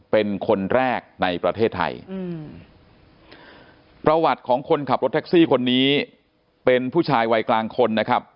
เป็นคนแรกในประเทศไทยอืมประวัติของคนขับรถแท็กซี่คนนี้เป็นผู้ชายวัยกลางคนนะครับ